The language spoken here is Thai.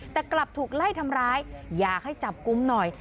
แต่กลับถูกไล่ทำร้ายอยากให้จับกุมหน่อย